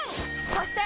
そして！